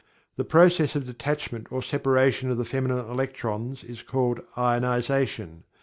The process of detachment or separation of the Feminine electrons is called "ionization."